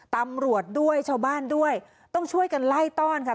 ตำรวจด้วยชาวบ้านด้วยต้องช่วยกันไล่ต้อนค่ะ